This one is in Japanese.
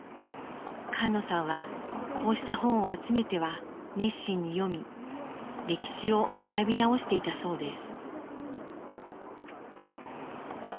菅野さんはこうした本を集めては熱心に読み歴史を学び直していたそうです。